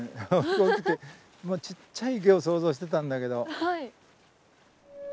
正直ちっちゃい池を想像してたんだけど。